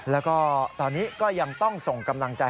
แล้วก็ตอนนี้ก็ยังต้องส่งกำลังใจ